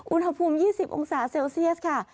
อุณหภูมิ๒๐องศาเซลเซียสค่ะ